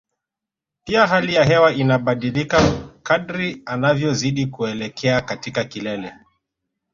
Pia hali ya hewa inabadilika kadri anavyozidi kuelekea katika kilele